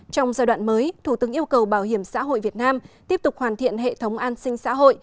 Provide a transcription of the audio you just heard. trong giai đoạn mới thủ tướng yêu cầu bảo hiểm xã hội việt nam tiếp tục hoàn thiện hệ thống an sinh xã hội